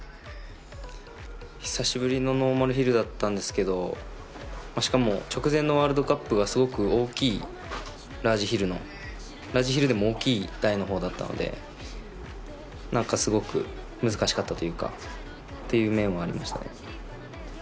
久しぶりのノーマルヒルだったんですけど、しかも直前のワールドカップがすごく、ラージヒルでも大きい台のほうだったのでなんかすごく難しかったという面はありました。